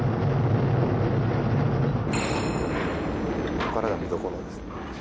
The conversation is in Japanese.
ここからが見どころですね。